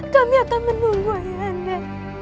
kami akan menunggu ayahanda